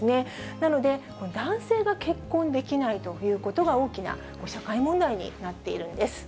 なので、男性が結婚できないということが大きな社会問題になっているんです。